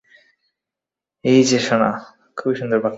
এই যে, সোনা।